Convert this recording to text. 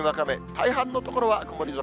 大半の所は曇り空。